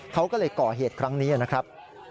เขาก็เลยก่อเหตุครั้งนี้นะครับ